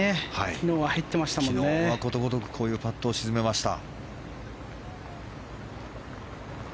昨日はことごとくこういうパットを沈めました。